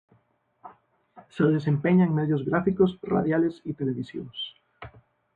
Se desempeña en medios gráficos, radiales y televisivos.